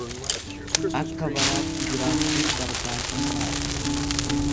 Akka baraatti jiraachuun barbaachisaadha.